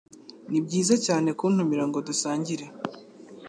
Nibyiza cyane kuntumira ngo dusangire.